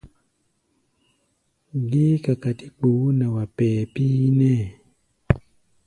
Géé kakatí kpoo nɛ wá pɛɛ píínɛ́ʼɛ!